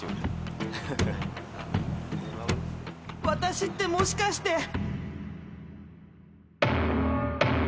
私ってもしかして